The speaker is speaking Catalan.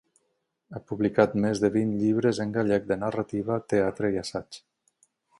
Ha publicat més de vint llibres en gallec de narrativa, teatre i assaig.